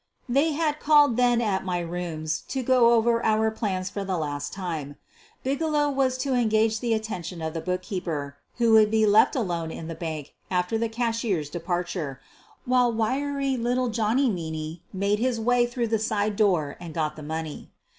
They had called then at my rooms to go over our plans for the last time. Bigelow was to engage the attention of the bookkeeper, who would be left alone in the bank after the cashier's de QUEEN OF THE BURGLARS 221 parture, while wiry little Johnny Meaney made his way through the side door and got the money.